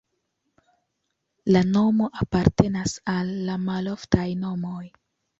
La nomo apartenas al la maloftaj nomoj.